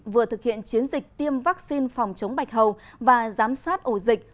vừa thực hiện chiến dịch tiêm vaccine phòng chống bạch hầu và giám sát ổ dịch